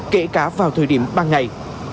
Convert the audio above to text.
kể cả vào thời điểm ban ngày